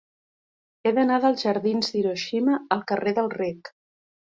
He d'anar dels jardins d'Hiroshima al carrer del Rec.